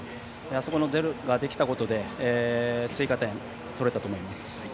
あそこのゼロができたことで追加点が取れたと思います。